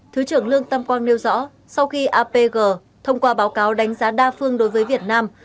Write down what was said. thứ trưởng lương tâm quang nêu rõ sau khi apg thông qua báo cáo đánh giá đa phương đối với việt nam